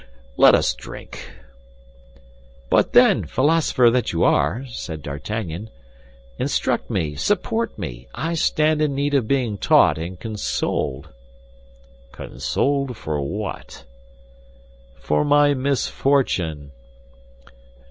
Let us drink!" "But then, philosopher that you are," said D'Artagnan, "instruct me, support me. I stand in need of being taught and consoled." "Consoled for what?" "For my misfortune."